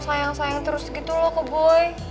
sayang sayang terus gitu loh ke boy